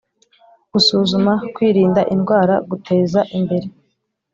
Gusuzuma kwirinda indwara guteza imbere